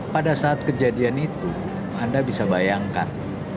pada saat kejadian itu anda bisa bayangkan